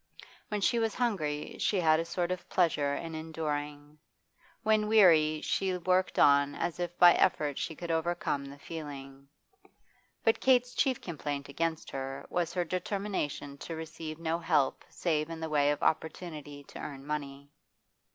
When she was hungry she had a sort of pleasure in enduring; when weary she worked on as if by effort she could overcome the feeling. But Kate's chief complaint against her was her determination to receive no help save in the way of opportunity to earn money.